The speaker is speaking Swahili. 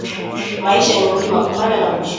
Maisha ni mlima kupanda na kushuka